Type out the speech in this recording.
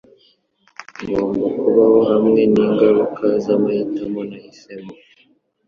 Ngomba kubaho hamwe ningaruka zamahitamo nahisemo.